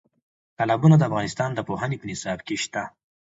تالابونه د افغانستان د پوهنې په نصاب کې شته.